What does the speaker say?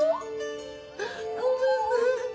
ごめんね。